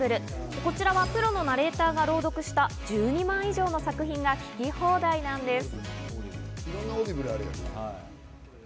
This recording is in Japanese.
こちらはプロのナレーターが朗読した１２万以上の作品が聴き放題なんです。